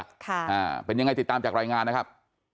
ค่ะอ่าเป็นยังไงติดตามจากรายงานนะครับ